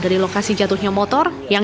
dari lokasi jatuhnya motor